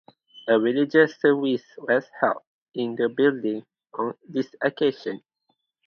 A religious service was held in the building on this occasion.